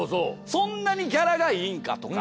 そんなにギャラがいいんかとか。